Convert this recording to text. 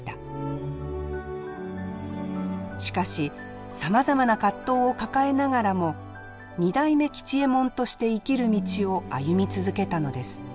しかしさまざまな葛藤を抱えながらも二代目吉右衛門として生きる道を歩み続けたのです。